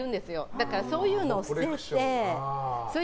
だから、そういうのを捨てて。